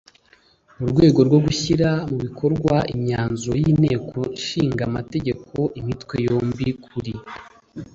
Mu rwego rwo gushyira mu bikorwa imyanzuro y Inteko Ishinga Amategeko imitwe yombi kuri